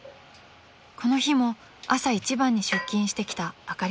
［この日も朝一番に出勤してきたあかりさん］